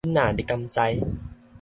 囡仔你敢知